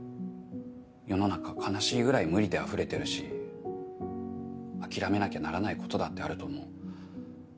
世の中悲しいぐらい無理であふれてるし諦めなきゃならないことだってあると思う。